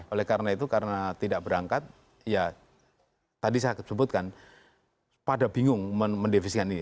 oleh karena itu karena tidak berangkat ya tadi saya sebutkan pada bingung mendefisikan ini